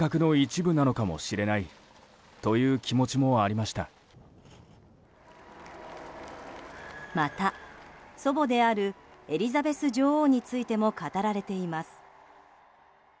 また、祖母であるエリザベス女王についても語られています。